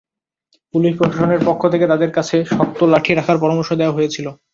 Police প্রশাসনের পক্ষ থেকে তাঁদের কাছে শক্ত লাঠি রাখার পরামর্শ দেওয়া হয়েছিল।